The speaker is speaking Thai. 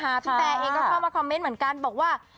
พี่แตเองก็เข้ามาคอมเมนต์เหมือนกันบอกว่า